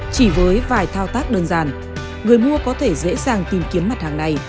chỉ với vài thao tác đơn giản người mua có thể dễ dàng tìm kiếm mặt hàng này